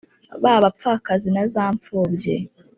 ba bapfakazi na za mpfubyi